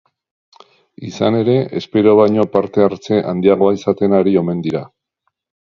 Izan ere, espero baino parte hartze handiagoa izaten ari omen dira.